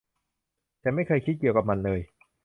ฉันไม่เคยคิดเกี่ยวกับมันเลย